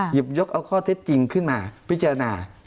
หยิบยกเอาข้อเท็จจริงขึ้นมาพิจารณา